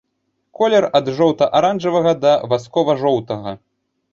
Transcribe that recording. Колер ад жоўта-аранжавага да васкова-жоўтага.